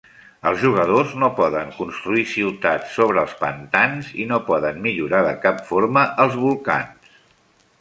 Els jugadors no poden construir ciutats sobre els pantans, i no poden millorar de cap forma els volcans.